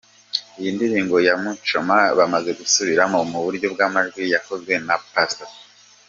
Iyi ndirimbo ya Muchoma bamaze gusubiramo, mu buryo bw’amajwi yakozwe na Pastor P.